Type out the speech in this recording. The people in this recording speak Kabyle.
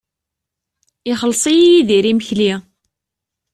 Ixelleṣ-iyi Yidir imekli.